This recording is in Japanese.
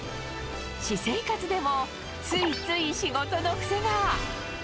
私生活でも、ついつい仕事の癖が。